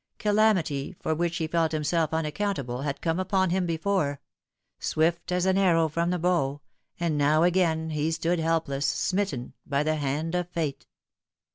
Calamity for which he felt himself unaccountable bad come upon him before swift as an arrow from the bow and now again he stood helpless, smitten by the hand of Fate.